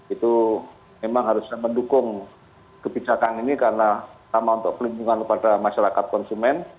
itu memang harus mendukung kebijakan ini karena sama untuk pelindungan kepada masyarakat konsumen